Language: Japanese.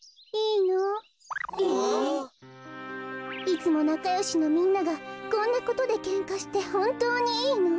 いつもなかよしのみんながこんなことでけんかしてほんとうにいいの？